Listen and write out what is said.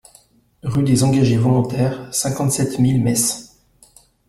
Rue des Engagés Volontaires, cinquante-sept mille Metz